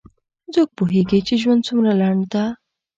څوک پوهیږي چې ژوند څومره لنډ ده